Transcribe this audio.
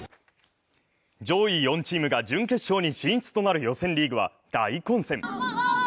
上位４チームが準決勝に進出となる予選リーグは大混戦。